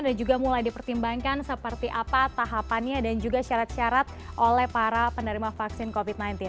dan juga mulai dipertimbangkan seperti apa tahapannya dan juga syarat syarat oleh para penerima vaksin covid sembilan belas